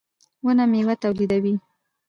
• ونه مېوه تولیدوي.